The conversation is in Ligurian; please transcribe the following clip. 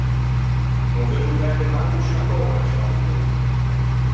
No veuggio perde manco ciù unna poula in sce l’argomento.